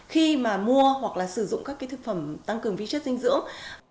khi mà mua hoặc sử dụng các thực phẩm tăng cường vi chất dinh dưỡng